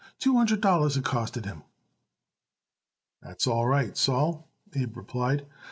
Two hundred dollars it costed him." "That's all right, Sol," Abe replied.